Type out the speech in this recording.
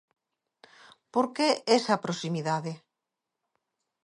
Por que esa proximidade?